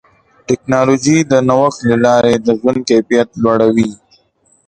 ټکنالوجي د نوښت له لارې د ژوند کیفیت لوړوي.